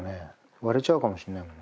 割れちゃうかもしれないもんね。